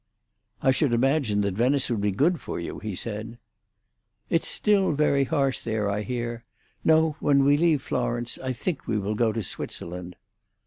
"I should imagine that Venice would be good for you," he said. "It's still very harsh there, I hear. No; when we leave Florence, I think we will go to Switzerland."